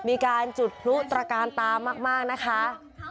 มีการจุดพลุตระการตามากนะคะ